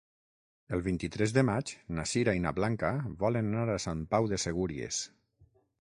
El vint-i-tres de maig na Sira i na Blanca volen anar a Sant Pau de Segúries.